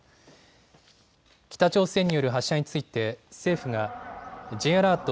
北朝鮮による発射について、政府がＪアラート